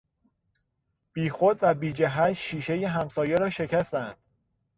بیخود و بیجهت شیشهی همسایه را شکستند!